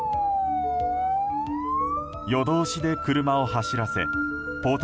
夜通しで車を走らせポート